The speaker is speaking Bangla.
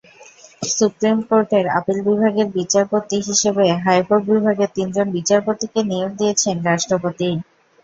সুপ্রিম কোর্টের আপিল বিভাগের বিচারপতি হিসেবে হাইকোর্ট বিভাগের তিনজন বিচারপতিকে নিয়োগ দিয়েছেন রাষ্ট্রপতি।